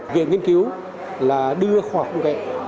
viện nghiên cứu là đưa khoa công nghệ